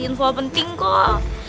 info penting kok